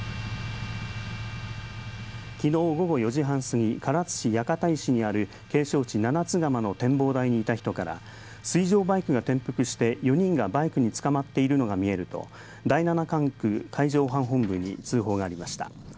きのう午後４時半過ぎ唐津市屋形石にある景勝地七ツ釜の展望台にいた人から水上バイクが転覆して４人がバイクにつかまっているのが見えると第７管区海上保安本部に通報がありました。